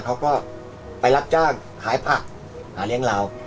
เขาก็ไปรับจ้างขายผักหาเลี้ยงเรา